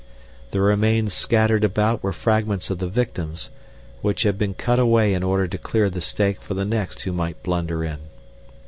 The remains scattered about were fragments of the victims, which had been cut away in order to clear the stake for the next who might blunder in.